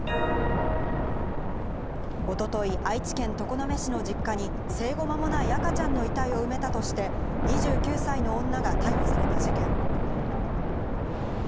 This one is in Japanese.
一昨日、愛知県常滑市の実家に生後まもない赤ちゃんの遺体を埋めたとして２９歳の女が逮捕された事件。